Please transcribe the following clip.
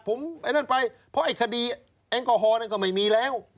ผมไอ้นั่นไปเพราะไอ้คดีแอลกอฮอลนั้นก็ไม่มีแล้ว